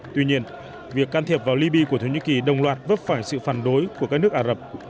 tuy nhiên việc can thiệp vào liby của thổ nhĩ kỳ đồng loạt vấp phải sự phản đối của các nước ả rập